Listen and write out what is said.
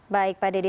baik pak dedy